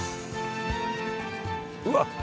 うわっ。